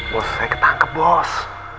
bos saya ketangkep bos